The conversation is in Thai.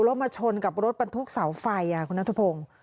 แล้วมาชนกับรถบรรทุกเสาไฟคุณนัทพงศ์